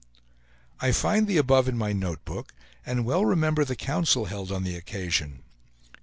I find the above in my notebook, and well remember the council held on the occasion.